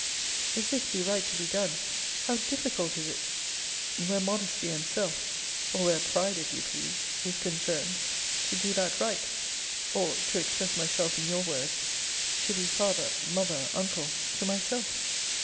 if this be right to be done, how difficult is it, where modesty and self (or where pride, if you please) is concerned, to do that right? or, to express myself in your words, to be father, mother, uncle, to myself!